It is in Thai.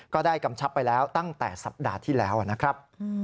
กำชับไปแล้วตั้งแต่สัปดาห์ที่แล้วนะครับ